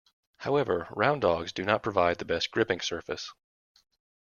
However round dogs do not provide the best gripping surface.